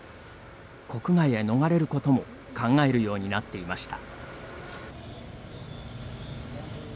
国外へ逃れることも考えるようになっていました。